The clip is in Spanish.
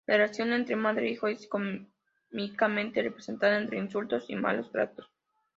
La relación entre madre e hijo es cómicamente representada entre insultos y malos tratos.